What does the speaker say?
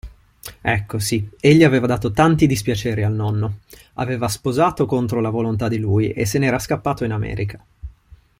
Ecco, sì, egli aveva dato tanti dispiaceri al nonno: aveva sposato contro la volontà di lui e se n'era scappato in America.